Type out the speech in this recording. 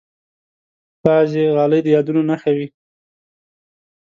بعضې غالۍ د یادونو نښه وي.